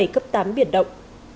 cấp tám biển động